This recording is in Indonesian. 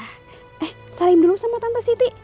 eh sarim dulu sama tante siti